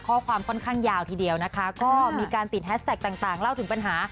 ข้อความค่อนข้างยาวทีเดียวนะคะก็มีการติดแฮสแท็กต่างเล่าถึงปัญหา